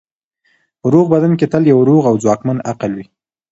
په روغ بدن کې تل یو روغ او ځواکمن عقل وي.